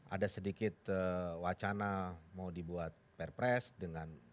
ada sedikit wacana mau dibuat perpres dengan